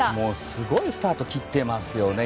すごいスタートを切っていますよね。